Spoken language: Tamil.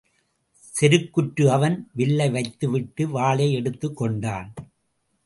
செருக்குற்று அவன் வில்லை வைத்து விட்டு வாளை எடுத்துக்கொண்டான்.